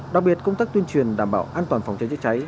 đặc biệt công tác tuyên truyền đảm bảo an toàn phòng cháy chữa cháy